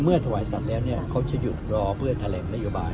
เมื่อทวายสัตว์แล้วเขาจะอยู่รอเพื่อแถลงนโยบาย